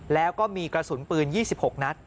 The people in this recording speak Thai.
แล้วก็มีกระสุนปืน๒๖นัด